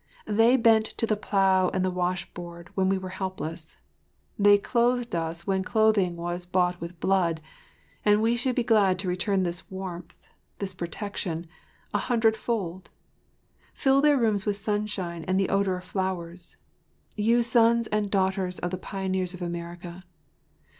They bent to the plow and the washboard when we were helpless. They clothed us when clothing was bought with blood, and we should be glad to return this warmth, this protection, an hundredfold. Fill their rooms with sunshine and the odor of flowers—you sons and daughters of the pioneers of America.